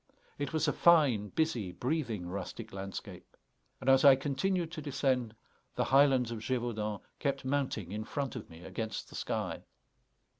It was a fine, busy, breathing, rustic landscape; and as I continued to descend, the highlands of Gévaudan kept mounting in front of me against the sky.